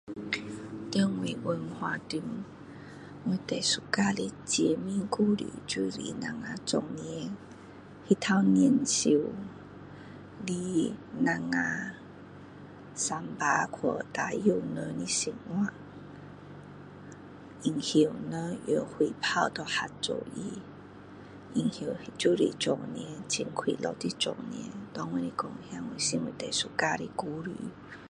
在我文化中我最喜欢的节日故事就是我们做年那头年兽来我们乡村去打扰人的生活然后人用火炮给吓走它然后就是做年很快乐的做年给我来讲那是我最喜欢的故事